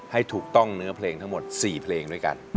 ให้ถูกต้องเนื้อเพลงทั้งหมด๔เพลงด้วยกัน